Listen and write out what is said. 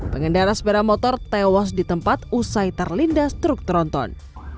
pengendara sepeda motor tewas di tempat usai terlindas truk tronton